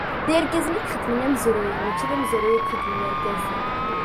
D Irgazen i ixedmen amezruy mači d amezruy i ixedmen Irgazen.